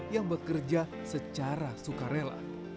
yang bekerja secara sukarela